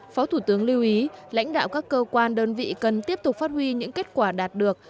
phó thủ tướng lưu ý lãnh đạo các cơ quan đơn vị cần tiếp tục phát huy những kết quả đạt được